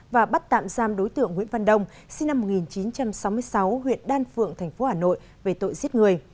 và bắt tạm giam đối tượng nguyễn văn đông sinh năm một nghìn chín trăm sáu mươi sáu huyện đan phượng tp hà nội về tội giết người